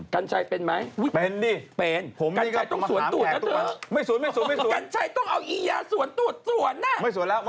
กัญชัยเป็นไหม